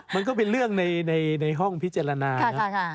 มันก็เป็นเรื่องในห้องพิจารณานะ